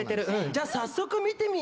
じゃあ早速見てみよう！